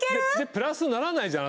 プラスにならないじゃん